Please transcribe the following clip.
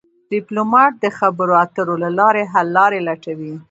ډيپلومات د خبرو اترو له لارې حل لارې لټوي.